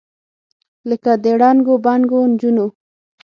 لکه د ړنګو بنګو نجونو،